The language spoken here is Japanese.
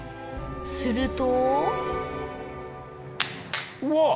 するとうわっ！